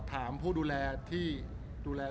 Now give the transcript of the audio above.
รูปนั้นผมก็เป็นคนถ่ายเองเคลียร์กับเรา